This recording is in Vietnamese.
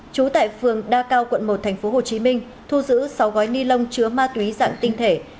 chú tại phường đa cao quận một thành phố hồ chí minh thu giữ sáu gói ni lông chứa ma túy dạng tinh thể